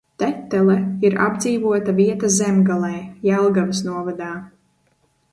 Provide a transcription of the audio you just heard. Tetele ir apdzīvota vieta Zemgalē, Jelgavas novadā.